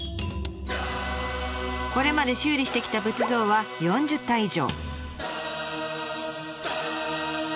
これまで修理してきた仏像は４０体以上。